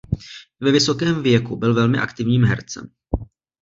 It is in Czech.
I ve vysokém věku byl velmi aktivním hercem.